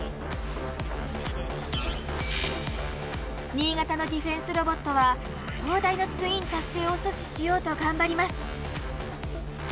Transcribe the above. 新潟のディフェンスロボットは東大のツイン達成を阻止しようと頑張ります。